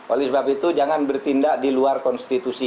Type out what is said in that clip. oleh sebab itu jangan bertindak di luar konstitusi